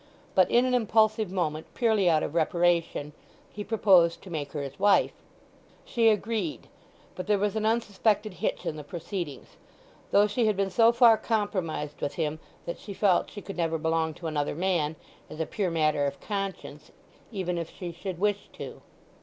But in an impulsive moment, purely out of reparation, he proposed to make her his wife. She agreed. But there was an unsuspected hitch in the proceedings; though she had been so far compromised with him that she felt she could never belong to another man, as a pure matter of conscience, even if she should wish to.